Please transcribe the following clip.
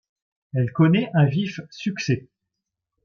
Elle connaît un vif succès.